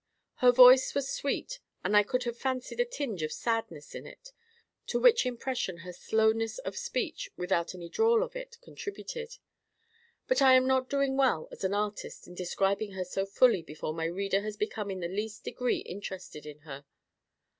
Her voice was sweet, and I could have fancied a tinge of sadness in it, to which impression her slowness of speech, without any drawl in it, contributed. But I am not doing well as an artist in describing her so fully before my reader has become in the least degree interested in her.